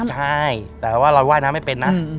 ใช่แต่ว่าเราว่ายน้ำไม่เป็นนะ